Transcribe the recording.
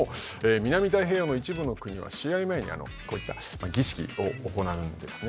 南太平洋の一部の国は試合前にこういった儀式を行うんですね。